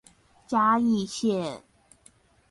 嘉義線